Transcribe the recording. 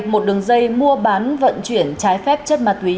một đường dây mua bán vận chuyển trái phép chất ma túy